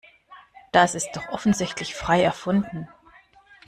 Das ist doch offensichtlich frei erfunden.